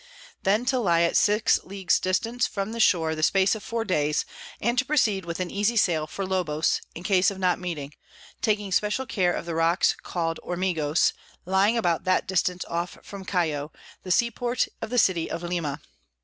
"Then to lie at six Leagues distance from the Shore the space of four days, and to proceed with an easy Sail for Lobos, in case of not meeting; taking special care of the Rocks call'd Ormigos, lying about that distance off from Callo, the Sea port of the City of Lima.